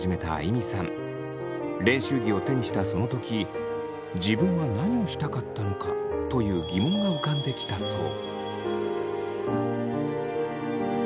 練習着を手にしたその時自分は何をしたかったのかという疑問が浮かんできたそう。